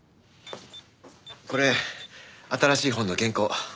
これ新しい本の原稿。